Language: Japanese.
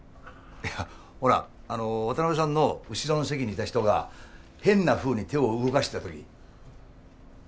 いやほらあの渡辺さんの後ろの席にいた人が変なふうに手を動かしたとき。